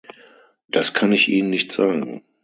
Das kann ich ihnen nicht sagen.